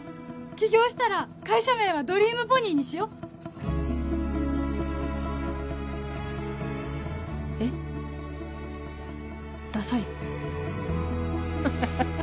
起業したら会社名はドリームポニーにしようえっ？ダサい？